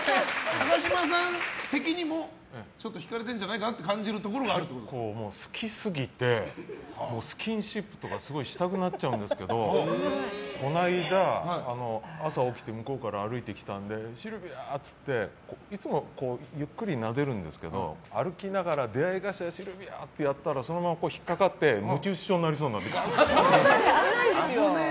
高嶋さん的にも引かれてるんじゃないかと好きすぎてスキンシップとかすごいしたくなっちゃうんですけどこの間、朝起きて向こうから歩いてきたのでシルビア！って言っていつも、ゆっくりなでるんですけど歩きながら、出合い頭シルビアってやったらそのまま引っかかってむち打ちしそうになったんですよ。